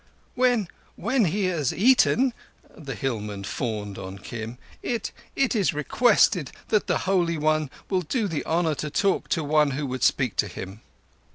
"When—when—he has eaten"—the hillman fawned on Kim—"it—it is requested that the Holy One will do the honour to talk to one who would speak to him."